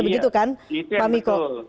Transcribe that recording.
begitu kan pak miko